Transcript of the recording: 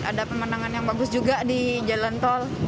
ada pemandangan yang bagus juga di jalan tol